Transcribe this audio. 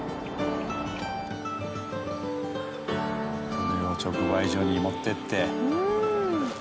これを直売所に持っていって。